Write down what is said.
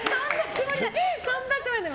そんなつもりない！